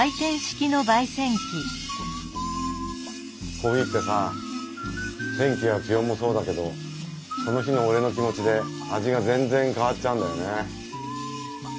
コーヒーってさ天気や気温もそうだけどその日の俺の気持ちで味が全然変わっちゃうんだよね。